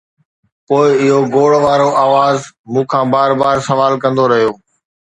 پوءِ اهو گوڙ وارو آواز مون کان بار بار سوال ڪندو رهيو